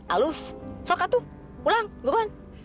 alus sokatu pulang buruan